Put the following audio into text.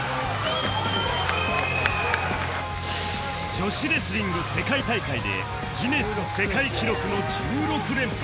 女子レスリング世界大会でギネス世界記録の１６連覇